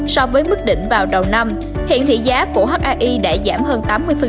so với mức đỉnh vào đầu năm hiện thị giá của hai đã giảm hơn tám mươi